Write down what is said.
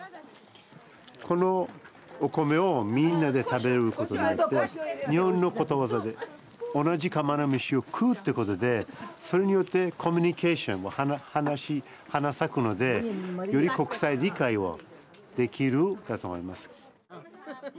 このお米をみんなで食べることによって日本のことわざで「同じ釜の飯を食う」ってことでそれによってコミュニケーションも花咲くのでより国際理解をできると思います。